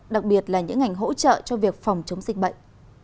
đặc biệt là những ngành hỗ trợ cho việc phòng chống dịch bệnh